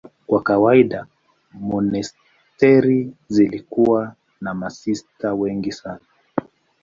Kwa kawaida monasteri zilikuwa na masista wengi sana.